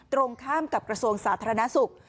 ตรงข้ามกับกระทรวงสาธารณสุข